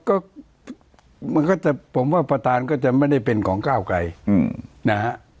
ก็มันก็จะผมว่าประธานก็จะไม่ได้เป็นของก้าวไกลนะฮะ